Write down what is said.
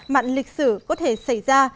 mặn lịch sử có thể xảy ra